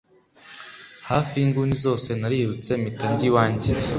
hafi y'inguni zose narirutse, mpita njya iwanjye